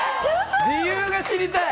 理由が知りたい！